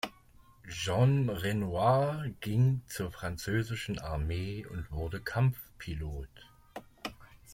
Jean Renoir ging zur französischen Armee und wurde Kampfpilot.